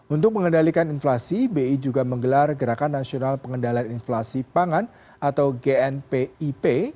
untuk mengendalikan inflasi bi juga menggelar gerakan nasional pengendalian inflasi pangan atau gnpip